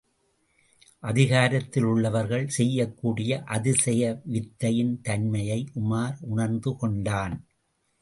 அதிகாரத்தில் உள்ளவர்கள் செய்யக்கூடிய அதிசய வித்தையின் தன்மையை உமார் உணர்ந்து கொண்டான்.